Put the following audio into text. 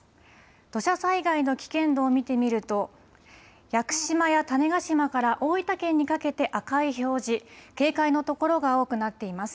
土砂災害の危険度を見てみると屋久島や種子島から大分県にかけて赤い表示、警戒の所が多くなっています。